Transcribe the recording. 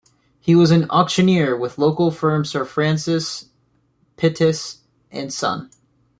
He was an Auctioneer with local firm Sir Francis Pittis and Son.